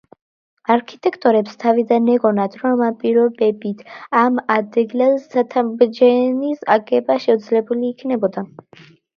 არქიტექტორებს თავიდან ეგონათ, რომ ამ პირობით ამ ადგილას ცათამბჯენის აგება შეუძლებელი იქნებოდა.